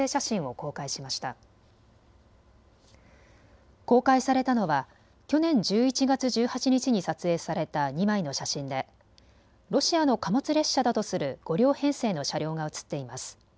公開されたのは去年１１月１８日に撮影された２枚の写真でロシアの貨物列車だとする５両編成の車両が写っています。